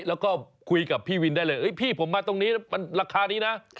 แล้วก็คุยกับพี่วินได้เลยพี่ผมมาตรงนี้มันราคานี้นะ